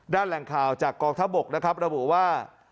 แหล่งข่าวจากกองทัพบกนะครับระบุว่า